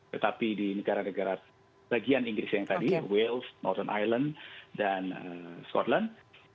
tetapi di negara negara bagian inggris yang tadi wales norton island dan scotland